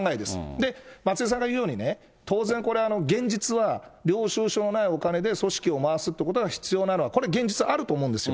で、松井さんが言うように、当然、これ、現実は領収書のないお金で組織を回すっていうことが必要なのは、これ現実あると思うんですよ。